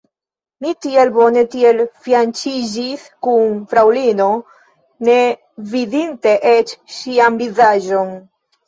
Mi tiel bone kiel fianĉiĝis kun fraŭlino, ne vidinte eĉ ŝian vizaĝon.